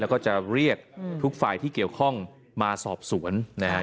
แล้วก็จะเรียกทุกฝ่ายที่เกี่ยวข้องมาสอบสวนนะฮะ